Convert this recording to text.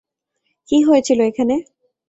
কি হয়েছিল এখানে?